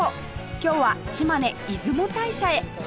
今日は島根出雲大社へ